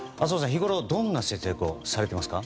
日ごろ、どんな節約をされてますか？